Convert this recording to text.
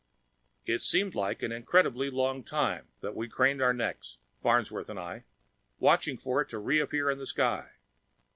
_ It seemed like an incredibly long time that we craned our necks, Farnsworth and I, watching for it to reappear in the sky.